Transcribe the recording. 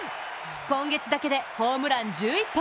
今月だけでホームラン１１本。